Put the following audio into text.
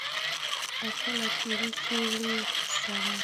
او ته له تېرې چړې سره